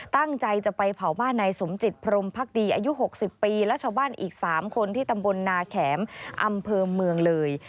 ตั้งใจจะไปเผาบ้านนายสมจิตพรมพักดีอายุ๖๐ปีและชาวบ้านอีก๓คนที่ตำบลนาแข็มอำเภอเมืองเลย